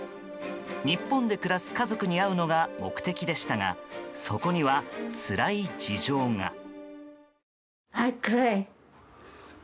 日本で暮らす家族に会うのが目的でしたがそこには、つらい事情が。